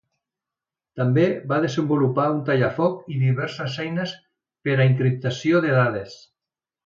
També van desenvolupar un tallafoc i diverses eines per a encriptació de dades.